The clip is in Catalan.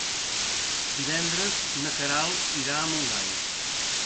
Divendres na Queralt irà a Montgai.